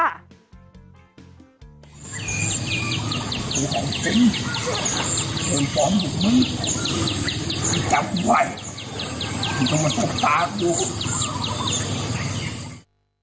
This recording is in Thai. ผมของจริงผมฟ้องหลุดมื้อไม่จับผมไหวผมต้องมาจบตากลูก